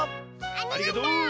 ありがとう！